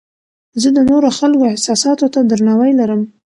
زه د نورو خلکو احساساتو ته درناوی لرم.